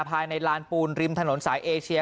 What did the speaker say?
ภายในลานปูนริมถนนสายเอเชีย